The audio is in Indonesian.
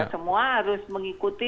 semua harus mengikuti